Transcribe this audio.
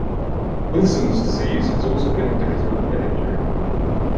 Wilson's disease has also been indicative of head injury.